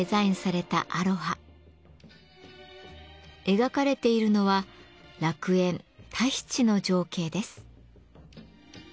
描かれているのは楽園・タヒチの情景です。